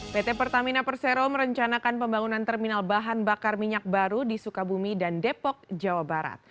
pt pertamina persero merencanakan pembangunan terminal bahan bakar minyak baru di sukabumi dan depok jawa barat